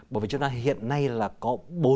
bởi vì chúng ta hiện nay là có